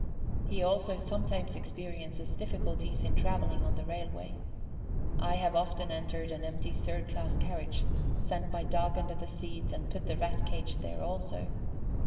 He also sometimes experiences difficulties in travelling on the railway. I have often entered an empty third class carriage, sent my dog under the seat, and put the Rat cage there also.